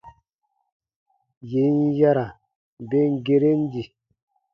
Yè n yara ben geren di.